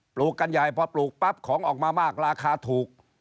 ลูกกันใหญ่พอปลูกปั๊บของออกมามากราคาถูก